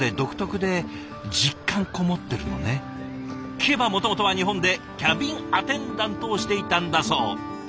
聞けばもともとは日本でキャビンアテンダントをしていたんだそう。